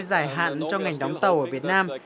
dài hạn cho ngành đóng tàu việt nam